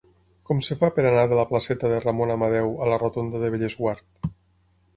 Com es fa per anar de la placeta de Ramon Amadeu a la rotonda de Bellesguard?